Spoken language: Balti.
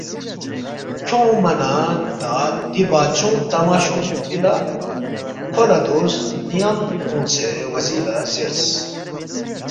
کھیونگما نہ تا دی بادشونگ تماشونگ دُوکپی لا کھو لہ دو سن٘یان اونگسے وزیر لہ زیرس،